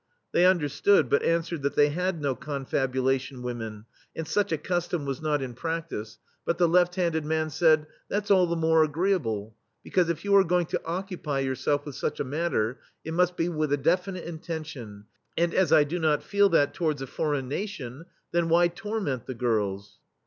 They understood, but answered that they had no confabulation women, and such a custom was not in pra6tice, but [7^ THE STEEL FLEA the left handed man said : "That *s all the more agreeable, because if you are going to occupy yourself with such a matter, it muist be with a definite intention, and as I do not feel that towards a foreign nation, then why tor ment the girls?"